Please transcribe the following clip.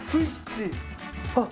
あっ！